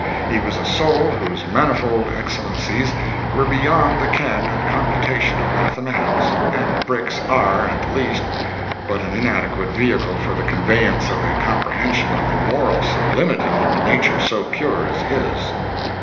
His was a soul whose manifold excellencies were beyond the ken and computation of mathematics, and bricks are, at the least, but an inadequate vehicle for the conveyance of a comprehension of the moral sublimity of a nature so pure as his.